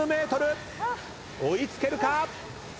追い付けるか？